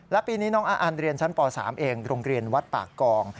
และปีนี้น้องอาอันเรียนชั้นป๓เองโรงเรียนวัดปากกอง